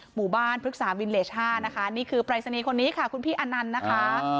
หมู่บ้านพฤกษาวินเลช่านะคะนี่คือปรายศนีย์คนนี้ค่ะคุณพี่อนันต์นะคะ